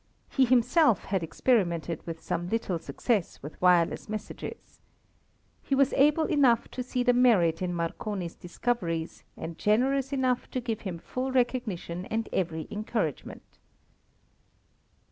He himself had experimented with some little success with wireless messages. He was able enough to see the merit in Marconi's discoveries and generous enough to give him full recognition and every encouragement.